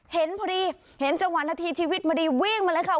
เห็นพอดีเห็นจังหวะนาทีชีวิตมาดีวิ่งมาเลยค่ะ